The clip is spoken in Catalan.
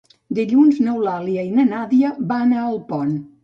Dilluns n'Eulàlia i na Nàdia van a Alpont.